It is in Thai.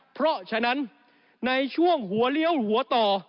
เพราะฉะนั้นในช่วงหัวเลี้ยวหัวต่อ